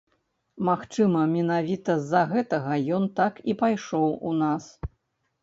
Магчыма, менавіта з-за гэтага ён так і пайшоў у нас.